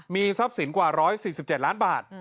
มีทรัพย์สินกว่า๑๔๗ล้านบาท